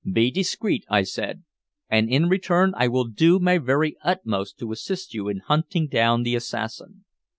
"Be discreet," I said. "And in return I will do my very utmost to assist you in hunting down the assassin."